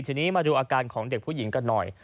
ทีนี้มาดูอาการของเด็กผู้หญิงกันหน่อย